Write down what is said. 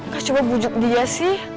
gak cuma bujuk dia sih